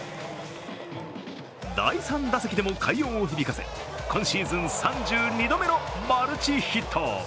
第３打席でも快音を響かせ今シーズン３２度目のマルチヒット。